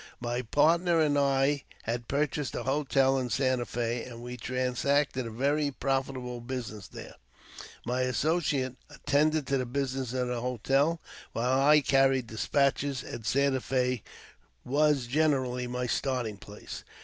My partner and I had purchased a hotel in Santa Fe, and we transacted a very profitable business there. My associate attended to the business of the hotel, while I carried despatches, and Santa Fe was generally my starting place.